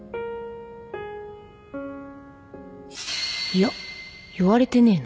いや言われてねえな